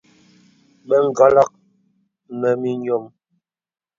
Bə ǹgɔlɔk nɔ mì nyɔm.